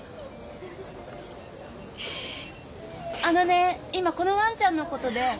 あのね今このワンちゃんのことで。